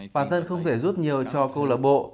bản thân không thể giúp nhiều cho câu lạc bộ